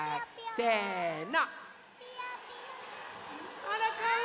せの！